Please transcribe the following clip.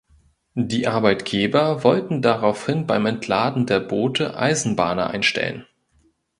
Die Arbeitgeber wollten daraufhin beim Entladen der Boote Eisenbahner einstellen.